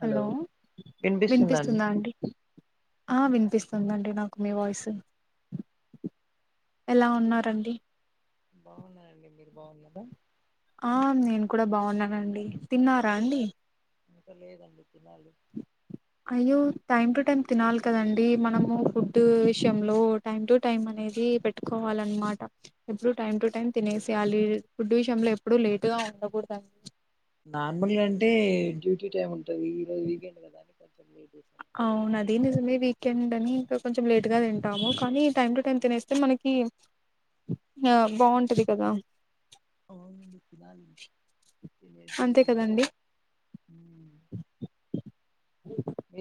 Hello వినిపిస్తుందా అండి ఆ వినిపిస్తుందండి నాకు మీ వాయిస్ ఎలా ఇంకేంటి ఉన్నారండి బాగున్నాయండి మీరు బాగున్నదా ఆ నేను కూడా బాగున్నానండి తిన్నారా అండి ఇంకా లేదండి తినాలి అయ్యో టైం టు టైం తినాలి కదండీ మనము ఫుడ్ విషయంలో టైం టు టైం అనేది పెట్టుకోవాలన్నమాట ఎప్పుడు టైం టు టైం తినేసేయాలి ఫుడ్ విషయంలో ఎప్పుడూ లేటుగా ఉండకూడదండి నార్మల్గా అంటే డ్యూటీ టైమ్ ఉంటది ఈ రోజు వీకెండ్ కదాని కొంచెం లేట్ చేసాను అవునది నిజమే వీకెండ్ అని ఇంకా కొంచెం లేట్గా తింటాము కానీ టైం టు టైం తినేస్తే మనకి బాగుంటది కదా అ తినాలి తినేసి అంతే ఏదన్నా కదండి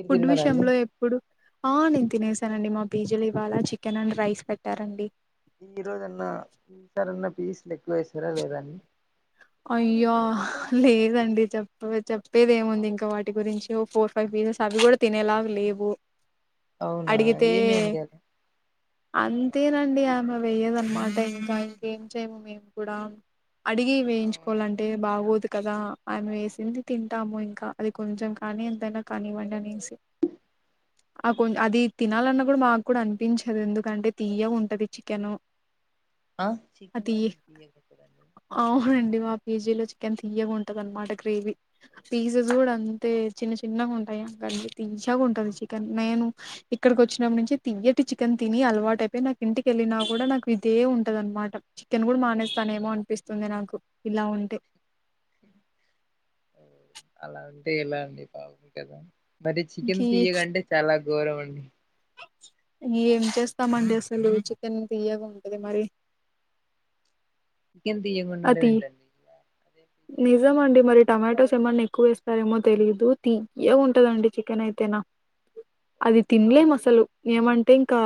ఫుడ్ విషయంలో ఎప్పుడు ఆ నేను తినేసానండి మా పీజీ లో ఇవాళ చికెన్ అండ్ రైస్ పెట్టారంండి ఈ రోజన్న ఈ సారన్న పీస్లు ఎక్కువ వేసారా లేదా అండి అయ్యో లేదండి చెప్ప చెప్పేదేముంది ఇంక వాటి గురించి ఓ ఫోర్ ఫైవ్ పీసెస్ అవి కూడా తినేలాగా లేవు అవునా అడిగితే ఏమి అండి అస్ అంతేనండి ఆమె వేయదన్నమాట. ఇంకా ఇంకేం చేయము మేము కూడా, అడిగి వేయించ అవునా చెప్పుకోవాలంటే బాగోదు కదా ఆమె వేసింది తింటాము. ఇంకా అది కొంచెం కానీ ఎంతైనా కాని ఇవ్వండి అనేసి ఆ కొ అది తినాలన్నా కూడా మాకు కూడా అనిపించదు. ఎందుకంటే తీయ్యగా ఉంటది చికెన్. ఆ ఆ చికనే తీయ ఎందుకు తీయ్యగా అవుతుంది అండి కేజీలో చికెన్ తీయగా ఉంటది అనమాట. గ్రేవీ పీసె స్ కూడా అంతే చిన్న చిన్నగా ఉంటాయంట అండి తీయ్యగా ఉంటది చికెన్. నేను ఇక్కడికి వచ్చినప్పటి నుంచి తీయటి చికెన్ తిని అలవాట అయిపోయి నాకు ఇంటికెళ్ళిన కూడా నాకు ఇదే ఉంటది అనమాట. చికెన్ కూడా మానేస్తాను ఏమో అనిపిస్తుంది నాకు. ఇలా ఉంటే అలా అంటే ఎలా అండి పాపం కదా మరి ఇంక చికెన్ తీయ్యగాంటే చాలా ఘోరవండి ఏం చేస్తామండి అసలు చికెన్ తయ్యగా ఉంటది మరి చికెన్ తియ్యగ ఉండడం అది ఏంటండి నిజం అండి మరి టమాటోస్ ఏమన్నా ఎక్కువ వేస్తారేమో తెలిదు తియ్యగ ఉంటదండి. చికెన్ అయితేనా అది తినలేం అసలు ఏమంటే ఇంకా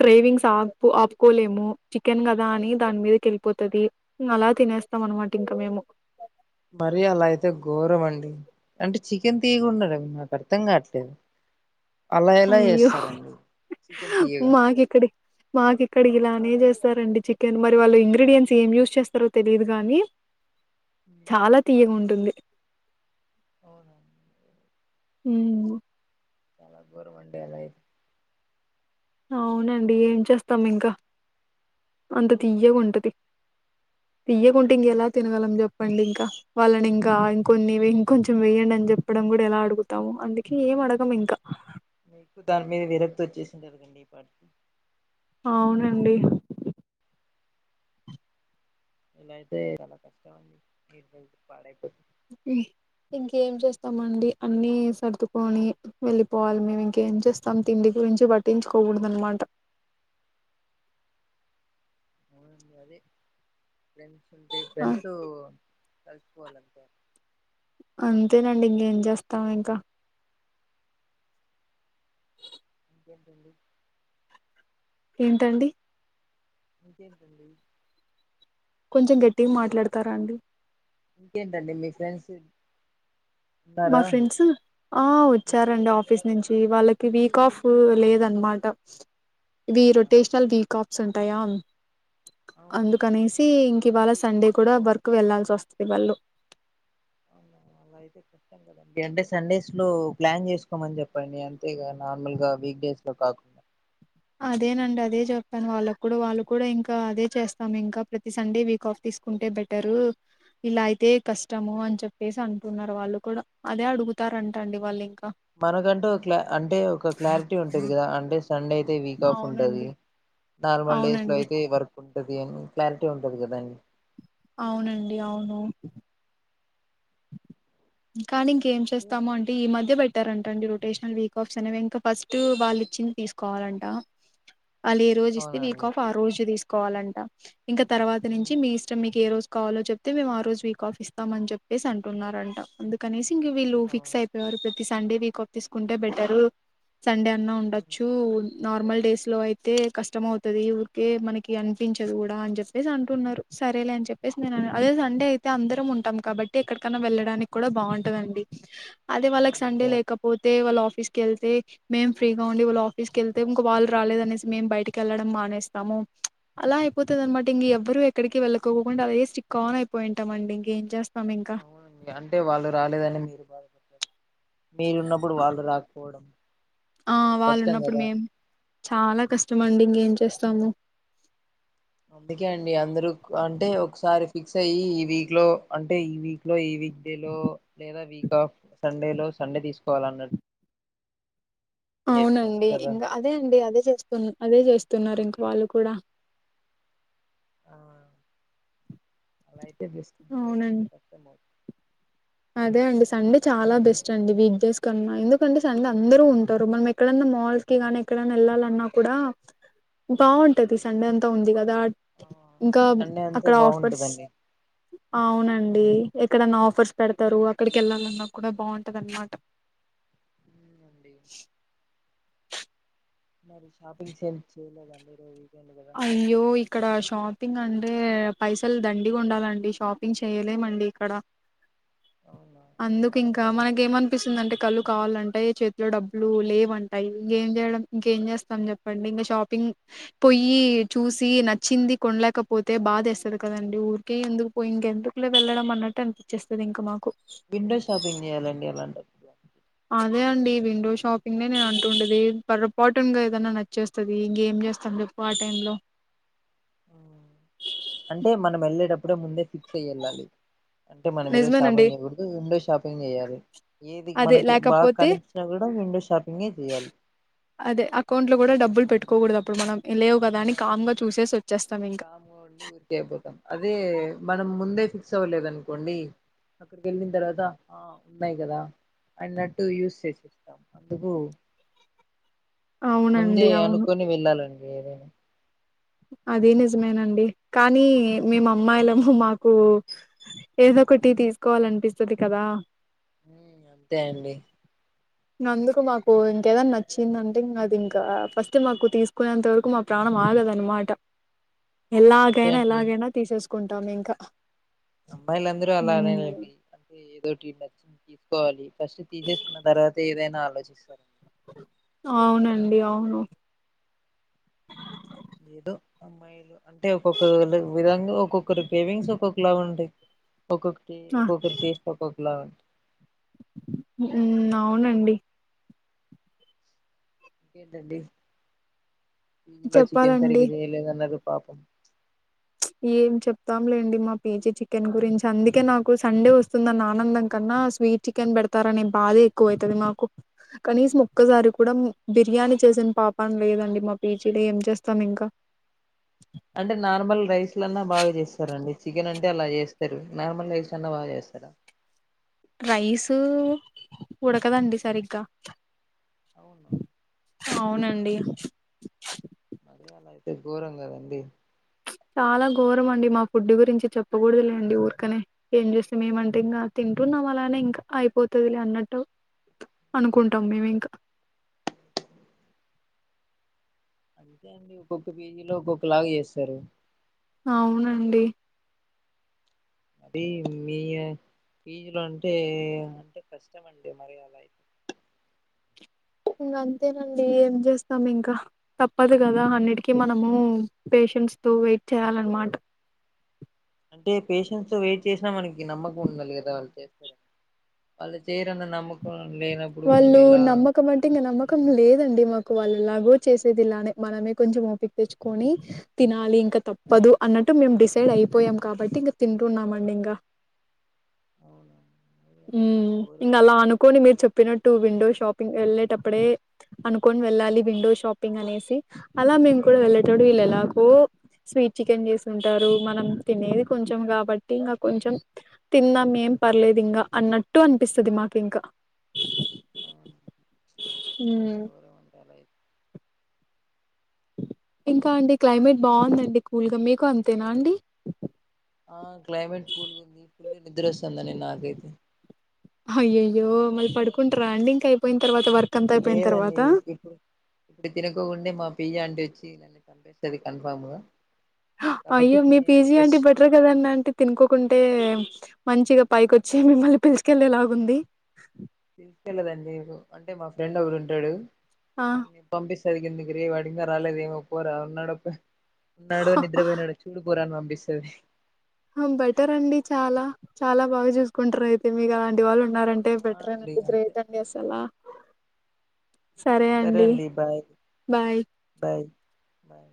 క్రె వింగ్స్ ఆ ఆపుకోలేము. చికెన్ కదా అని దాని మీదకి వెళ్ళిపోతది. అలా తినేస్తాం అన్నమాట ఇంక మేము మరి అలా అయితే ఘోరం అండి అంటే చికెన్ తీయగుండదనాకు అర్థం కావట్లేదు అలా ఎలా అయ్యో చేస్తారండి చికెన్ తీయగా మాకెక్కడి మాకెక్కడి ఇలానే చేస్త స్తారండి చికెన్ మరి వాళ్ళు ఇంగ్రీడియంట్స్ ఏం యూజ్ చేస్తారో తెలియదుగానీ, చాలా తీయగాఉంటది ఉంది ఓహ ఉ చాల గోరమండి అలాయిత్ అవునండి ఏం చేస్తాం ఇంకా అంత తీయ్యగ ఉం టది. తియ్యగ ఉంటే ఇంక ఎలా తినగలం జప్ప చెప్పండి. ఇంకా వాళ్ళని ఇంకా ఇంకొన్ని ఇంకొంచెం వేయండి అని చెప్పడం కూడా ఎలా అడుగుతాము. అందుకే ఏం అడగము ఇంకా మీకు దాని మీద విరక్తి వచ్చేసింది. అడగండి ఈ పాటికి అవునండి ఇలాయితే చాల కష్టం అండి బెల్లం పాడైపో ఇంకేం చేస్తామండి. అన్నీ సర్దుకొని వెళ్ళిపోవాలి. మేము ఇంకేం చేస్తాం. తిండి గురించి పట్టించుకోకూడద అన్నమాట. అవును అండి అదేె న్స్ అంటే వెళ్తు కలిసిపోవాలంతే అంతేనండి ఇంకేం చేస్తాం ఇంకా ఏంటండి ఏంటండి ఇంకేంటండి కొంచెం గట్టిగా మాట్లాడతారా అండి ఇంకేంటండి మీ ఫ్రెండ్స్ మా ఉన్నారా ఫ్రెండ్స్ ఆ మీ ఫ్రెండ్స్ వచ్చారండి ఆఫీస్ నుంచి ఈ వాళ్ళకి వీక్ ఆఫ్ లేదనమాట వీ అవునా రొటేషనల్ వీక్ ఆఫ్ సంతయాం అవునండి అందుకనేసి ఇంకా ఇవాళ అసు సండే కూడా వర్కు వెళ్లాల్సి వస్తుంది. వళ్ళు ఇ అంటే సండేస్ లో ప్లాన్ చేసుకోమని చెప్పండి. అంతే గా నార్మల్గా వీక్ డేస్ లో కాకుండా అదేనండి అదే చెప్పాను వాళ్ళకు కూడా వాళ్ళు కూడా ఇంకా అదే చేస్తాము. ఇంకా ప్రతి సండే వీక్ ఆఫ్ తీసుకుంటే బెటరు ఇలా అయితే కష్టము అని చెప్పేసి అంటున్నారు. వాళ్ళు కూడా అదే అడుగు మనకంటూ ఒక క్లా అంటే ఒక క్లారిటీ ఉంటది. కదా అంటే సండే అయితే వీక్ ఆఫ్ ఉంటంది. అవునండి నార్మల్ డేస్ లో అవునండి అయితే వర్క్ ఉంటది అని క్లారిటీ ఉంటది కదా అండి అవునండి అవును కానీ ఇంకేం చేస్తాము. అంటే ఈ మధ్య బెట్ తారంట అండి రొటేషనల్ వీక్ ఆఫ్స్ అనేవి ఇంకా ఫస్ట్ వాళ్ళు ఇచ్చింది. తీసుకోవాలంట వాళ్లు ఈ రోజు ఇస్తే వీక్ అవునండి ఆఫ్ ఆ రోజు తీసు కోలంట ఇంకా తర్వాత నుంచి ఉమ్, మీ ఇష్టం మీకు ఏ రోజు కాలో చెప్పుతే మేము ఆ రోజు వీక్ ఆఫ్ ఇస్తామని చెప్ వేసి అంటున్నారంట అందుకనేసి ఇంకా వీళ్ళు ఫిక్స్ అవును అయిపోయారు ప్రతిసి సండే వీక్ ఆఫ్ తీసుకుంటే బెటరు సండే అన్నా ఉమ్, ఉండొచ్చు ఉన్ నార్మల్ డేస్ లో అయితే కష్టం అవుతది ఊరికే మనకి అనిపించదు. కూడా అని చెప్పేసి అంటున్నారు. సరేలే అని చెప్పేసి నే ఉమ్, అద అదే సండే అయి త అందరం ఉంటాం. కాబట్ టే ఎక్కడికన్నా వెళ్ళడానికి కూడా బాగుంటదండి అదే వాళ్లకు సండే అవునండి లేకపోతే వాళ్లు ఆఫ్ ఆఫీస్ కి వెళ్తే మేం ఫ్రీగా ఉండి వాళ్లు ఆఫీస్ కి వెళ్తే ఇంకా వాళ్లు రాలేదు అనేసి మేము బయటకి వెళ్లడం మానేస్తాము అలా అయిపోతది అనమాట ఇంగి ఎవరు ఎక్కడికి వెళ్ళకోకుండా అదే స్టిక్ ఆన్ అయిపోయింటంమండి ఇంకేం చేస్ అవునండి అంటే వాళ్ళు రాలేదని మీరు బాధపడు మీరు ఉన్నప్పుడు వాళ్లు రాకపోవడం ఆ వాళ్ళు కష్టం ఉన్నప్పుడు కదా మేం చాలా కష్టము అండి నువ్ ఏం చేస్తానావు అందుకే అండి అందరూ ఉక్ అంటే ఒకసారి ఫిక్స్ అయ్యి ఈ వీక్లో అంటే ఈ వీక్లో ఈ వీక్ డే లో లేదా వీక్ ఆఫ్ సండేలో సండే తీసుకోవాలన్న అవునండి కదా ఇంకా అదే అండి అదే చేస్తుఉన్ అదే చేస్తు తున్నారు ఇంకా వాళ్ళు కూడా ఆ అలై పెద్ద స్కిమ్ లేకుంటే అవునండి కష్టం మావూ అదే అండి సండే చాలా బెస్ట్ అండి వీక్ డేస్ ఎందుకంటే సండే అందరూ ఉంటారు. మనం ఎక్కడన్నా మాల్స్ కి గానీ ఎక్కడైనా వెళ్ళాలన్నా కూడా హ్మ్. దావుంటది. సండే అం తొ ఉంది. కదా ఆడ్ ఆ! ఇంకా అప్ సండే అంతే అక్కడ ఆఫర్స్ బాగుంటదండి అవునండి. ఎక్కడన్నా ఆఫర్స్ పెడతారు. అక్కడికి వెళ్ళాలన్నా కూడా బాగుంటది. అన్నమాట అవునండి మరి షాపింగ్స్ ఏమి చెయ్యలేదా. అండి ఈరోజు వీకెండ్ కదా అయ్యో ఇక్కడ షా పింగ్ అంటే పైసలు దండిగా ఉండాలండి. షాపింగ్ చేయలేమండి. ఇక్కడ అవునా అందుకు ఏమేం ఇంకా చేయాలి మనకి ఏమనిపిస్తుంది. అంటే కళ్ళు కావాలంటాయి. చేతిలో డబ్బులు లేవంటాయి. ఇంకేం చేయడం ఇంకేం చేస్తాం చెప్పండి. ఇంకా షాపింగ్ పొయ్యి చూసి నచ్చింది. కొనలేకపోతే బాదేస్తుంది. కదండి. ఊరికే ఎందుకు పోయి ఇంకెందుకులే వెళ్ళడం అన్నట్టు అనిపించేస్తుంది. ఇంక మాకు విండో షాపింగ్ చేయాలండి అలాంటప్పుడు అదే అండి విండో షాపింగ్నే నేను అంటుండేది. పొరపాటునుగా ఏదన్నా నచ్చేస్తది. ఇంగెం చేస్తాను. చెప్పు ఆ టైమ్ లో ఆ అంటే మనం వెళ్ళేటప్పుడే ముందే పి చెయ్ వెళ్ళాలి. అంటే మనం ఈరోజు నిజమేనండి షాపింగ్ చేయకూడదు విండో షాపింగ్ చేయాలి. ఏది అదే మనకి బాగా లేకపోతే కనిపించిన కూడా విండో షా అదే అకౌంట్ లో కూడా డబ్బులు పెట్టుకోకూడదు. అప్ ఇప్పుడు మనం ఇ లేవు. కదా అని కామ్ గా చూసేసి వ కామ్ గా ఉండి. ఊరికే అయిపోతాం. అదే మనం ముందే ఫిక్స్ అవ్వలేదనుకోండి. అక్కడికి వెళ్ళిన తర్వాత ఆ ఉన్నాయి. కదా అన్నట్టు యూస్ చేసేస్తాం అందుకు ముందే అవునండి అవును అనుకొని వెళ్లాలని ఏదైనా అదీ నిజమేనండి. కానీ మేము అమ్మాయిలము మాకు ఏదో ఒకటి తీసుకోవాలనిపిస్తుది. కదా ఉమ్, అంతే అండి ఇగ అందుకు మాకు ఇంకేదైనా నచ్చిందంటే ఇక అది ఇంకా ఫస్ట్ మాకు తీసుకునేంత వరకు మా ప్రాణం ఆగదన్నమాట. అంతే ఎలాగైనా, ఎలాగైనా తీసేస్ కొంటాం ఇంకా అబ్బాయిలు అందరూ హ్మ్ అలానేలేండి. అంటే ఎదోటి ఉండల్ తీసుకోవాలి, ఫస్ట్ తీసేసుకున్న తర్వాత ఏదైనా ఆలోచిస్తారా. అవునండి. అవును ఏదో అమ్మాయిలు అంటే ఒక్కొక్కరు వాళ్ళ విధంగా ఒక్కొక్కరు గ్రేవింగ్స్ ఒక్కొక్కలాగా ఉంటాయి. ఒక్కొక్కటి, ఆ! ఒక్కొక్కరి, టేస్ట్ ఒక్కొక్కలా ఉమ్ అవునండి. ఇంకేంటండి. ఇందులో చికెన్ చెప్పాలండి. సరిగా చేయలేదన్నారు. పాపం ఏం చెప్తాంలేండి మా పీజీ చికెన్ గురించి అందుకే నాకు సండే వస్తుందని ఆనందం కన్నా స్వీట్ చికెన్ పెడతారనే బాధే ఎక్కువ అవుతుది మాకు కనీసం ఒక్కసారి కూడా బిర్యానీ చేసిన పాపాం లేదండి మా పీజీలో ఏం చేస్తాం ఇంకా అంటే నార్మల్ రైస్లన్నా బాగా చేస్తారండి చికెన్ అంటే అలా చేస్తారు నార్మల్ రైస్లన్నా బాగా చేస్తారా రైస్ ఉడకదండి సరిగ్గా అవును అవునండి ఘోరం కదండి చాలా ఘోరం అండి మా ఫుడ్ గురించి చెప్పకూడదులేండి ఊరకనే ఏం చేస్తాం ఏమంటే ఇంక తింటున్నాం అలానే ఇంకా అయిపోతాదిలే అన్నట్టు అనుకుంటాం మేము ఇంకా ఒక్క పీజీలో ఒక్కొక్క లాగ చేస్తారు అవునండి మీ పీజీ లో అంటే మీరంటే కష్టమండి మరి ఆ లైఫ్ లో ఇంగ అంతేనండి ఏం చేస్తాం ఇంక తప్పదు కదా అన్నిటికీ మనము పేషెంట్స్ తో వెయిట్ చేయాలన్నమాట అంటే పేషెన్స్ తో వెయిట్ చేసినా మనకి నమ్మకం ఉండాలి కదా వాళ్ళు చేస్తారని వాళ్ళు చేయరన్న నమ్మకం లేనప్పుడు మనం వాళ్ళు ఎలా నమ్మకం అంటే ఇంక నమ్మకం లేదండి మాకు క్ వాళ్ళఎలాగో చేసేది ఇలానే మనమే కొంచెం ఓపిక తెచ్చుకొని తినాలి ఇంక తప్పదు అన్నట్టు మేము డిసైడ్ అయిపోయాం కాబట్టి ఇంక తింటున్నామండి ఇంకా అవును అదైతే ఘోరం ఇంకా అలా అండి అనుకొని మీరు చెప్ ట్టు విండో షాపింగ్ కి వెళ్ళేటప్పుడే అనుకొని వెళ్ళాలి విండో షాపింగ్ అనేసి అలా మేము కూడా వెళ్ళేటడు వీళ్ళు ఎలాగ స్వీట్ చికెన్ చేసింటారు మనం తినేది కొంచెం కాబట్టి ఇంకా కొంచెం తిందాం ఏం పర్లేదు ఇంకా అన్నట్టు అనిపిస్తుంది మాకు ఇంకా అవును చాలా గౌరవం ఇంకా అండి క్లైమేట్ బాగుందండి కూల్గా మీకు అంతేనా అండి ఆ క్లైమేట్ కూల్గా ఉంది ఫుల్ నిద్ర వస్తుంది అండి నాకైతే అయ్యయ్యో మళ్ళి పడుకుంటారండి ఇంకా అయిపోయి లేదండి ఇప్పుడు ఇప్పుడు తినకోకుంటే బా బియ్యం తెచ్చి ఇత్తడి కన్ఫమా అయ్యో మీ పిజీ అంటే బెటర్ కదన్న అంటే తినుకోకుంటే మంచిగా పైకొచ్చి మిమ్మల్ని పిల్చుకెళ్ళేలేలాగుంది మీరు తెలుగండి అంటే మా ఫ్రెండ్ ఒకడుంటాడు ఆ అండి పంపిస్త బెణికింది ఇక్కడే వాడు ఇంకా రాలేదు ఏమో పోరా ఇంగా నొప్ ఉన్నాడో, నిద్రపోయినాడో చూడు పోరా పిస్తది బెటర్ అండి చాలా చాలా బాగా చూసుకుంటారు అయితే మీకు అలాంటి వాళ్ళు ఉం న్నారంటే ఆ అండి బెటరేనండి ఇప్పుడు ఏం అంతే జాబ్ చేస్తున్నావ్ సరే అండి బాయ్ బయ